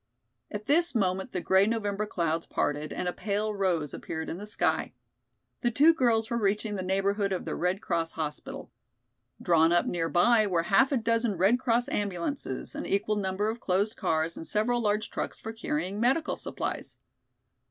At this moment the grey November clouds parted and a pale rose appeared in the sky. The two girls were reaching the neighborhood of their Red Cross hospital. Drawn up nearby were half a dozen Red Cross ambulances, an equal number of closed cars and several large trucks for carrying medical supplies.